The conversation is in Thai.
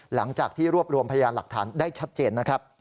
หลังจากที่รวบรวมพยานหลักฐานได้ชัดเจนนะครับ